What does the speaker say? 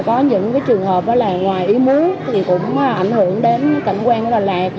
có những trường hợp ngoài ý muốn cũng ảnh hưởng đến cảnh quan của đà lạt